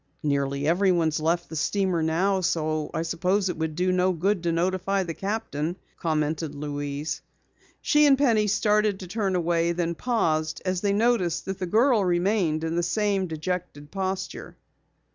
"Nearly everyone has left the steamer now, so I suppose it would do no good to notify the captain," commented Louise. She and Penny started to turn away, then paused as they noticed that the girl remained in the same dejected posture.